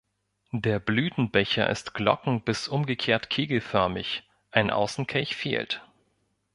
Der Blütenbecher ist glocken- bis umgekehrt kegelförmig, ein Außenkelch fehlt.